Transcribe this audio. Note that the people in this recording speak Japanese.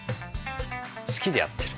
すきでやってる。